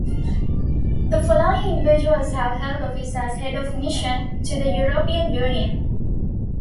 The following individuals have held office as Head of Mission to the European Union.